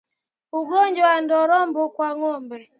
Ugonjwa wa Ndorobo kwa ngombe